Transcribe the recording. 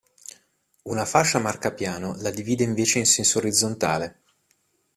Una fascia marcapiano la divide invece in senso orizzontale.